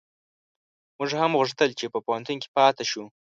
موږ هم غوښتل چي په پوهنتون کي پاته شو